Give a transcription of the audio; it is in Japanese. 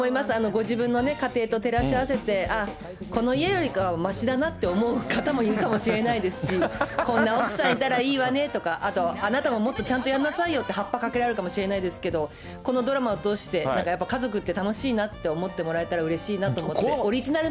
ご自分の家庭と照らし合わせて、あっ、この家よりかはましだなって思う方もいるかもしれないですし、こんな奥さんいたらいいわねとか、あと、あなたも、もっとちゃんとやんなさいよってはっぱかけられるかもしれないですけど、このドラマを通して、なんかやっぱ家族って楽しいなって思ってもらえたらうれしいなと思って。